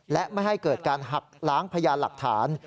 และไม่ให้เกิดการหักล้างพยานหลักฐาน